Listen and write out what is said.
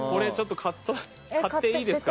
買っていいですか。